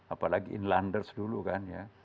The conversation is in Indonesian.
apalagi inlanders dulu kan ya